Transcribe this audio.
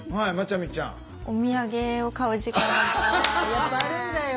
やっぱあるんだよ。